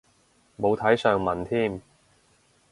冇睇上文添